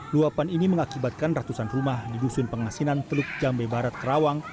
luapan ini mengakibatkan ratusan rumah di dusun pengasinan teluk jambe barat kerawang